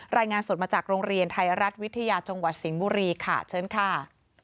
รายงานสดมาจากโรงเรียนไทยรัฐวิทยาจังหวัดสิงห์บุรีค่ะเชิญค่ะ